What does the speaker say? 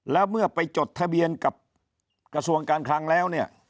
แล้วเมื่อไปจดทะเบียนกับกระทรวงการคลังแล้วเนี่ย